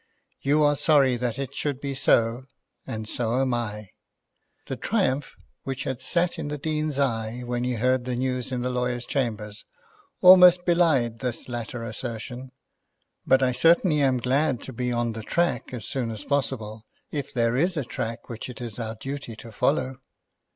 "You are sorry that it should be so, and so am I." The triumph which had sat in the Dean's eye when he heard the news in the lawyer's chambers almost belied this latter assertion. "But I certainly am glad to be on the track as soon as possible, if there is a track which it is our duty to follow."